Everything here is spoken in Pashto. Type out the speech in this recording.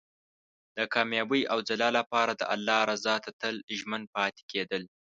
د کامیابۍ او ځلا لپاره د الله رضا ته تل ژمن پاتې کېدل.